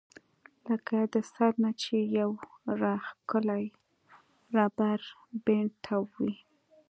لکه د سر نه چې يو راښکلی ربر بېنډ تاو وي